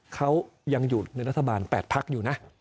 เขายังอยู่ในรัฐบาล๘พักอยู่นะ